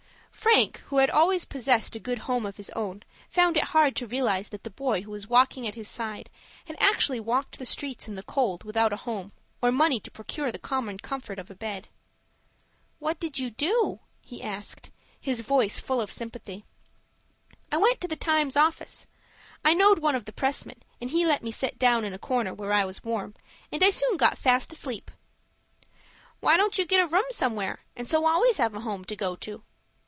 Frank, who had always possessed a good home of his own, found it hard to realize that the boy who was walking at his side had actually walked the streets in the cold without a home, or money to procure the common comfort of a bed. "What did you do?" he asked, his voice full of sympathy. "I went to the 'Times' office. I knowed one of the pressmen, and he let me set down in a corner, where I was warm, and I soon got fast asleep." "Why don't you get a room somewhere, and so always have a home to go to?"